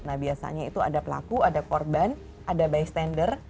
nah biasanya itu ada pelaku ada korban ada bystander